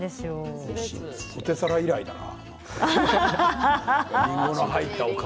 ポテサラ以来だな。